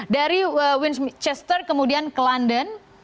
dari winchester kemudian ke london